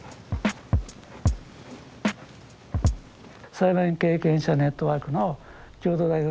裁判員経験者ネットワークの共同代表